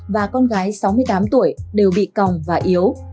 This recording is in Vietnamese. và con gái sáu mươi tám tuổi đều bị còng và yếu